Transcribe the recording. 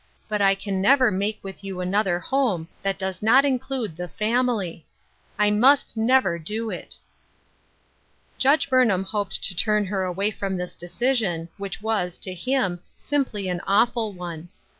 But I can never make with you another home that does not include t\iQ family. I mu»t never do it.''^ Judge Burnham hoped to turn her away from this decision, which was, to him, simply an awful one